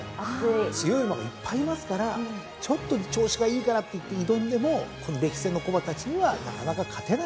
強い馬がいっぱいいますからちょっと調子がいいからっていって挑んでもこの歴戦の古馬たちにはなかなか勝てないと。